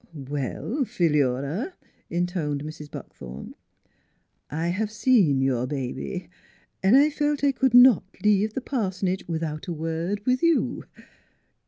" Well, Phi lura," intoned Mrs. Buckthorn. " I have seen your ba by an' I felt I could not leave the pars'nage without a word with you.